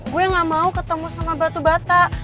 gue gak mau ketemu sama batu bata